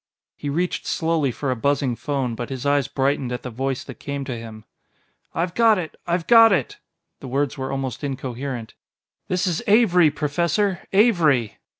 He reached slowly for a buzzing phone, but his eyes brightened at the voice that came to him. "I've got it I've got it!" The words were almost incoherent. "This is Avery, Professor Avery!